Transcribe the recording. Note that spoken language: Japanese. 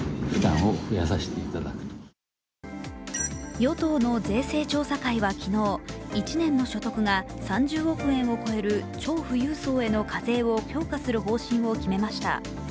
与党の税制調査会は昨日、１年の所得が３０億円を超える超富裕層への課税を強化する方針を決めました。